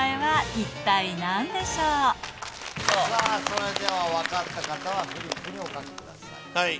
それでは分かった方はフリップにお書きください。